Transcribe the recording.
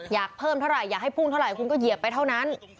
อยากเพิ่มเท่าไหร่อยากให้พุ่งเท่าไหร่คุณก็เหยียบไปเท่านั้น